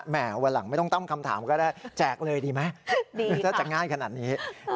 วันหลังไม่ต้องตั้งคำถามก็ได้แจกเลยดีไหมถ้าจะง่ายขนาดนี้